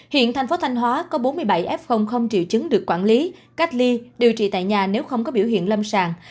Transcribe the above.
hiện thành phố thanh hóa có bốn mươi bảy f không triệu chứng được quản lý cách ly điều trị tại nhà nếu không có biểu hiện lâm sàng